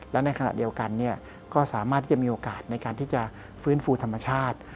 และในขณะเดียวกันก็สามารถที่จะมีโอกาสในการที่จะฟื้นฟูธรรมชาติ